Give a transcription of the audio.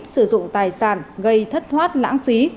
sử dụng tài sản gây thất thoát lãng phí